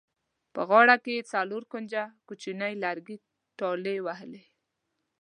په غاړه کې یې څلور کونجه کوچیني لرګي ټالۍ وهلې.